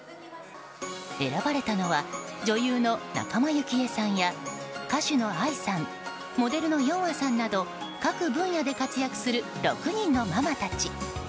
選ばれたのは女優の仲間由紀恵さんや歌手のＡＩさんモデルのヨンアさんなど各分野で活躍する６人のママたち。